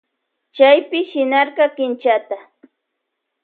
Chaypi shinarka kinchata.